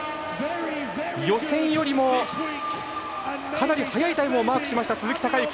予選よりも、かなり早いタイムをマークしました、鈴木孝幸。